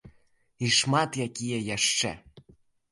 І шмат якія яшчэ.